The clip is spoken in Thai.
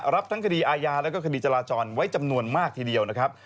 รับทั้งคดีอาญาแล้วก็คดีจราจรไว้จำนวนมากทีเดียวนะครับ